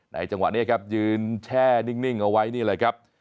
ในจังหวะนี้อยู่เฉ่นิ่งเอาไว้